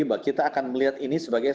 bahwa kita akan melihat ini sebagai